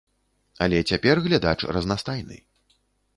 Але цяпер глядач разнастайны.